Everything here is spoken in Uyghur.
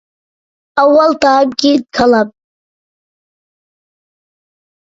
ئاۋۋال تائام، كېيىن كالام.